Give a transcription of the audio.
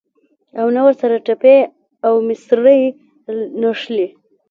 او نه ورسره ټپې او مصرۍ نښلي.